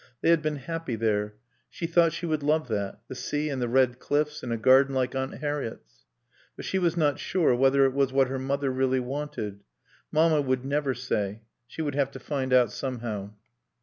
They had been happy there. She thought she would love that: the sea and the red cliffs and a garden like Aunt Harriett's. But she was not sure whether it was what her mother really wanted. Mamma would never say. She would have to find out somehow.